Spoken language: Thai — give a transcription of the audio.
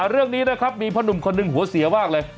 เรื่องนี้นะครับมีพ่อหนุ่มคนหนึ่งหัวเสียมากเลย